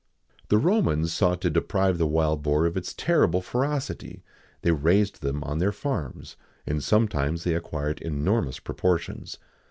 [XIX 75] The Romans sought to deprive the wild boar of its terrible ferocity; they raised them on their farms,[XIX 76] and sometimes they acquired enormous proportions.